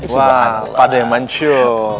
wah pada yang mancung